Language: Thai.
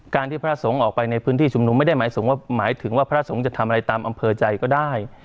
ที่พระสงฆ์ออกไปในพื้นที่ชุมนุมไม่ได้หมายถึงว่าพระสงฆ์จะทำอะไรตามอำเภอใจก็ได้